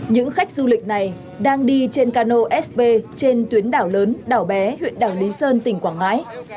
những khách du lịch này đang đi trên cano sb trên tuyến đảo lớn đảo bé huyện đảo lý sơn tỉnh quảng ngãi